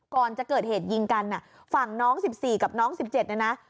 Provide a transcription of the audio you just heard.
ก่อนจะเกิดเหตุยิงกันน่ะฝั่งน้องสิบสี่กับน้องสิบเจ็ดเนี่ยนะ